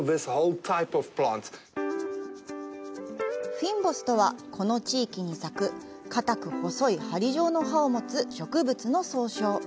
フィンボスとは、この地域に咲く硬く細い針状の葉を持つ植物の総称。